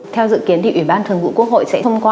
theo dự kiến thì ủy ban thường vụ quốc hội sẽ thông qua